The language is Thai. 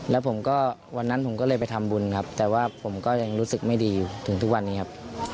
แล้วผมก็วันนั้นผมก็เลยไปทำบุญครับแต่ว่าผมก็ยังรู้สึกไม่ดีอยู่ถึงทุกวันนี้ครับ